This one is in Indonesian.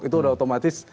itu sudah otomatis